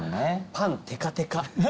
パンてかてか。